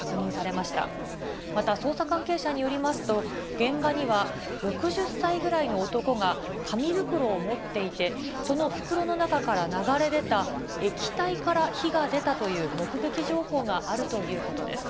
また捜査関係者によりますと、現場には６０歳ぐらいの男が、紙袋を持っていて、その袋の中から流れ出た液体から火が出たという目撃情報があるということです。